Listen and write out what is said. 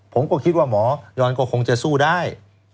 ผมก็คิดว่าหมอยอนก็คงจะสู้ได้